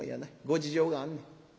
ご事情があんねん。